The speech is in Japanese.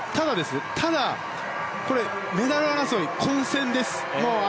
ただ、メダル争いは混戦です。